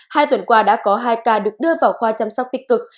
hai tuần qua đã có hai ca được đưa vào khoa chăm sóc tích cực